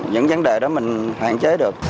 những vấn đề đó mình hoạn chế được